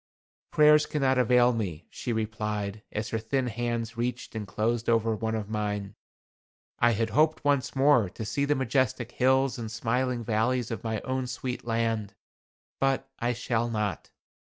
"Prayers cannot avail me," she replied, as her thin hands reached and closed over one of mine. "I had hoped once more to see the majestic hills and smiling valleys of my own sweet land, but I shall not.